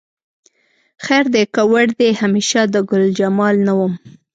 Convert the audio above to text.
خیر دی که وړ دې همیشه د ګلجمال نه وم